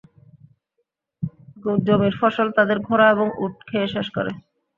জমির ফসল, তাদের ঘোড়া এবং উট খেয়ে শেষ করে।